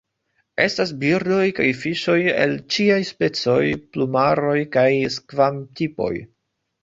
Estas birdoj kaj fiŝoj el ĉiaj specoj, plumaroj kaj skvam-tipoj.